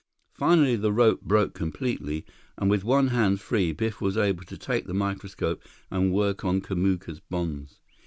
Finally the rope broke completely, and with one hand free Biff was able to take the microscope and work on Kamuka's bonds.